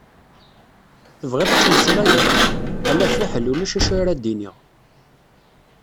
Tebɣiḍ ad d-tmeslayeḍ? Ala fiḥel ulac d acu ara d-iniɣ.